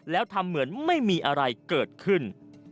แล้วทำเหมือนไม่มีอะไรเกิดขึ้น